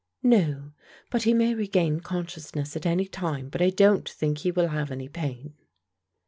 "No; but he may regain consciousness at any time, but I don't think he will have any pain."